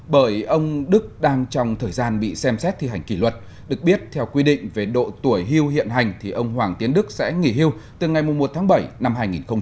bởi ông đức đang trong thời gian bị xem xét thi hành kỷ luật được biết theo quy định về độ tuổi hưu hiện hành thì ông hoàng tiến đức sẽ nghỉ hưu từ ngày một tháng bảy năm hai nghìn hai mươi